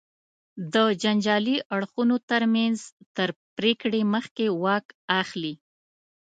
د جنجالي اړخونو تر منځ تر پرېکړې مخکې واک اخلي.